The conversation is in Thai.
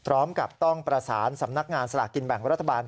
พร้อมกับต้องประสานสำนักงานสลากกินแบ่งรัฐบาล